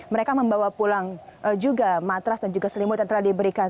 mereka membawa pulang juga matras dan juga selimut yang telah diberikan